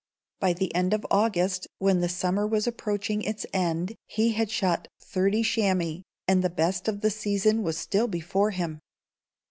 By the end of August, when the summer was approaching its end, he had shot thirty chamois, and the best of the season was still before him.